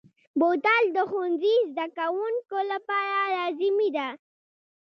بوتل د ښوونځي زده کوونکو لپاره لازمي دی.